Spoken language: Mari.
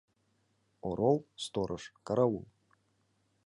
Орол — сторож, караул.